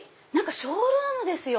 ショールームですよ。